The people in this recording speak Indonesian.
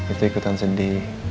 itu ikutan sedih